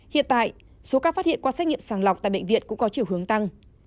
hiện tại số ca phát hiện qua xét nghiệm sàng lọc tại bệnh viện cũng có chiều hướng tăng